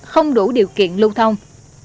không đủ điều kiện lưu thông